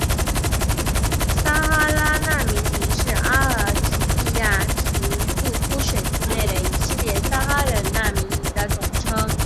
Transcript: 撒哈拉难民营是阿尔及利亚廷杜夫省境内的一系列撒哈拉人难民营的总称。